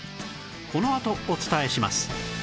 このあとお伝えします